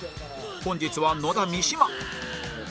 本日は野田三島